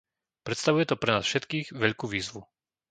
Predstavuje to pre nás všetkých veľkú výzvu.